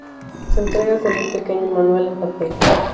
Se entrega con un pequeño manual en papel.